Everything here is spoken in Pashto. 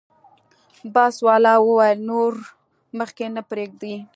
بس والا وویل نور مخکې نه پرېږدي.